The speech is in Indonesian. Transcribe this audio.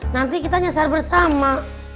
nanti kita nyesel bersama